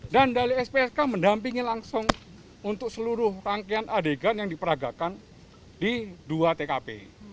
dan dari spsk mendampingi langsung untuk seluruh rangkaian adegan yang diperagakan di dua tkp